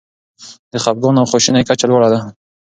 د خپګان او خواشینۍ کچه لوړه ده.